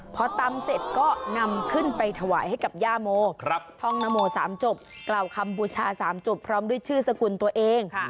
พอตำเสร็จก็นำขึ้นไปถวายให้กับย่าโมท่องนโม๓จบกล่าวคำบูชา๓จบพร้อมด้วยชื่อสกุลตัวเอง